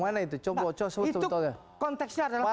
nah itu konteksnya adalah